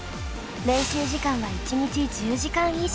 練習時間は１日１０時間以上。